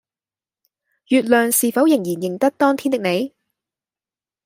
月亮是否仍然認得當天的你